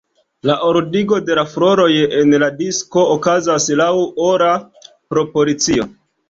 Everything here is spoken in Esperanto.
La ordigo de la floroj en la disko okazas laŭ ora proporcio.